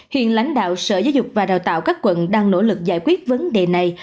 hiện lãnh đạo sở giáo dục và đào tạo các quận đang nỗ lực giải quyết vấn đề này